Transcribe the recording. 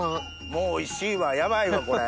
もうおいしいわヤバいわこれ。